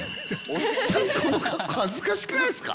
おっさん、この格好、恥ずかしくないですか？